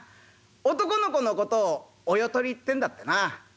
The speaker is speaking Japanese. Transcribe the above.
男の子の事をお世取りってんだってな。